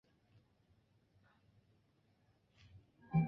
已略去一部分过于细节或仅与其中少数作品有关的内容。